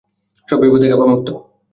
সব বিপদ থেকে আপা মুক্ত।